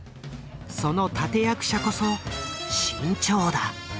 その立て役者こそ志ん朝だ。